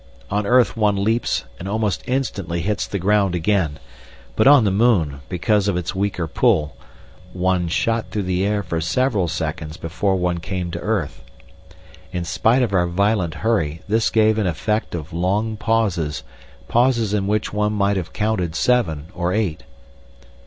On earth one leaps and almost instantly hits the ground again, but on the moon, because of its weaker pull, one shot through the air for several seconds before one came to earth. In spite of our violent hurry this gave an effect of long pauses, pauses in which one might have counted seven or eight.